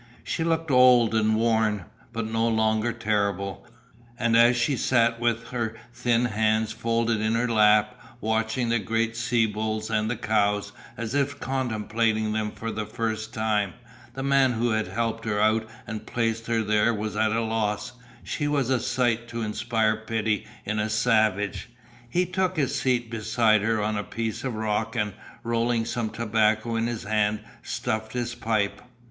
She looked old and worn, but no longer terrible, and as she sat with her thin hands folded in her lap watching the great sea bulls and the cows, as if contemplating them for the first time, the man who had helped her out and placed her there was at a loss she was a sight to inspire pity in a savage. He took his seat beside her on a piece of rock and rolling some tobacco in his hand stuffed his pipe.